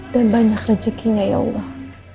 dan banyak rezekinya ya allah